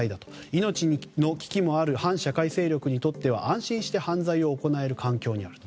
命の危機もある反社会勢力にとっては安心して犯罪を行える環境にあると。